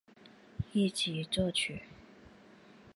一级作曲。